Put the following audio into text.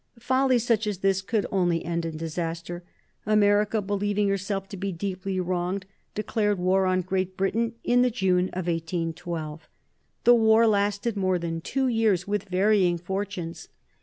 Folly such as this could only end in disaster. America, believing herself to be deeply wronged, declared war on Great Britain in the June of 1812. The war lasted more than two years with varying fortunes.